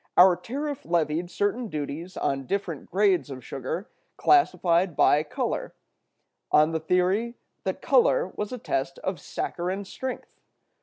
Our tariff levied certain duties on different grades of sugar classified by color, on the theory that color was a test of saccharine strength.